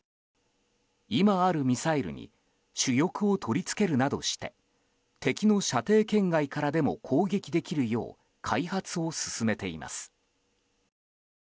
今あるミサイルに主翼を取り付けるなどして敵の射程圏外からでも攻撃できるよう開発を進めています。